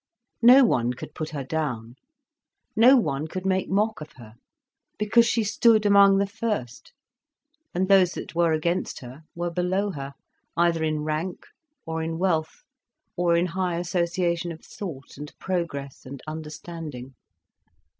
No one could put her down, no one could make mock of her, because she stood among the first, and those that were against her were below her, either in rank, or in wealth, or in high association of thought and progress and understanding.